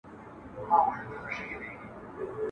له لومړۍ ورځي په نورو پسي ګوري ..